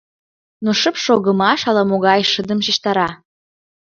Но шып шогымаш ала-могай шыдым шижтара.